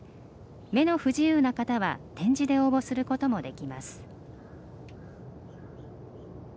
目の不自由な方は点字で応募することもできます。